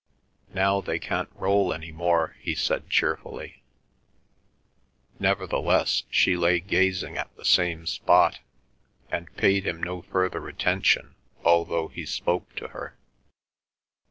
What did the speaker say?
"Now they can't roll any more," he said cheerfully. Nevertheless she lay gazing at the same spot, and paid him no further attention although he spoke to her.